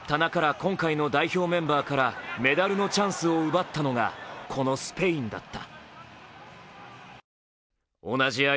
今回の代表メンバーからメダルのチャンスを奪ったのがこのスペインだった。